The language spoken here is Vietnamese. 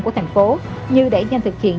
của thành phố như đẩy nhanh thực hiện